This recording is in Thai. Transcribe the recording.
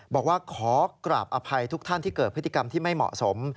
บอกว่าขอกราบอภัยทุกท่านที่เกิดพฤติกรรมที่ไม่เหมาะสม